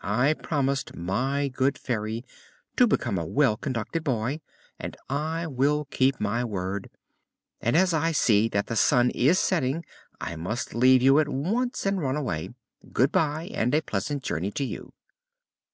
I promised my good Fairy to become a well conducted boy, and I will keep my word. And as I see that the sun is setting I must leave you at once and run away. Good bye, and a pleasant journey to you."